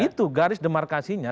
itu garis demarkasinya